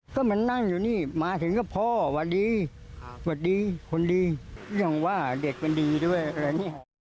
ก็มันนั่งอยู่นี่มาถึงก็พอหวัดดีคนนี้ยังว่าเด็ดเป็นดีด้วยอะไรอย่างนี้